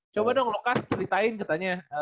coba dong lukas ceritain katanya